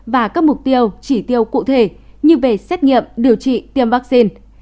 và các mục tiêu chỉ tiêu cụ thể như về xét nghiệm điều trị tiêm vaccine